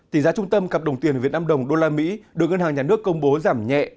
tỷ giá trung tâm cặp đồng tiền việt nam đồng usd được ngân hàng nhà nước công bố giảm nhẹ